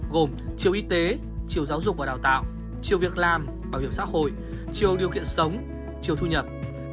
gồm chiều y tế chiều giáo dục và đào tạo chiều việc làm bảo hiểm xã hội chiều điều kiện sống chiều thu nhập